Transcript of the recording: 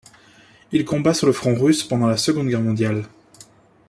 Il combat sur le front russe pendant la Seconde Guerre mondiale.